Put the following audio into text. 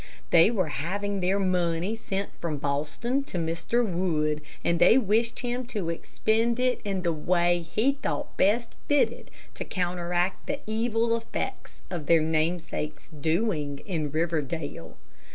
They were having their money sent from Boston to Mr. Wood, and they wished him to expend it in the way he thought best fitted to counteract the evil effects of their namesake's doings in Riverdale.